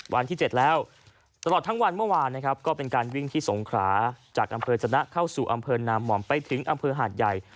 วันที่๗แล้วตลอดทั้งวันเมื่อวานนะครับก็เป็นการวิ่งที่สงขราจากอำเภอจนะเข้าสู่อำเภอนามห่อมไปถึงอำเภอหาดใหญ่